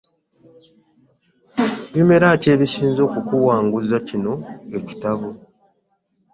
Bimera ki ebisinze okukuwanguza kino ekirabo?